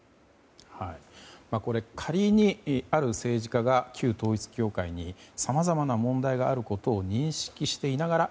これ、仮にある政治家が旧統一教会にさまざまな問題があることを認識していながら